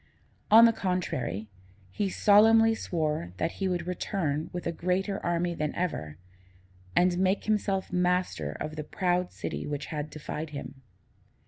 On the contrary, he solemnly swore that he would return with a greater army than ever, and make himself master of the proud city which had defied him.